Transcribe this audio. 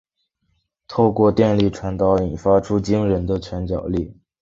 透过电力传导引发出惊人的拳脚力。